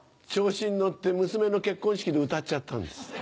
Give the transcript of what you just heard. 調子に乗って娘の結婚式で歌っちゃったんです。